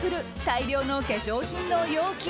大量の化粧品の容器。